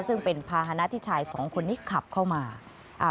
ซึ่งเป็นภาษณะที่ชายสองคนนี้ขับเข้ามา